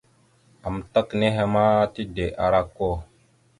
Amətak nehe ma tide ara okko.